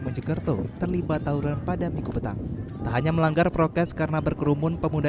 menjegertung terlibat tawuran pada minggu petang hanya melanggar progres karena berkerumun pemuda